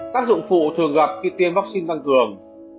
tác dụng phụ thường gặp khi tiêm vaccine tăng cường